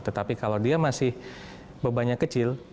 tetapi kalau dia masih bebannya kecil